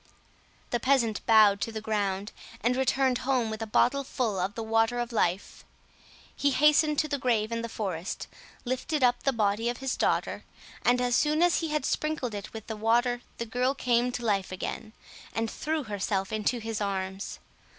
The peasant bowed to the ground, and returned home with a bottle full of the water of life. He hastened to the grave in the forest, lifted up the body of his daughter, and as soon as he had sprinkled it with the water the girl came to life again, and threw herself into his arms.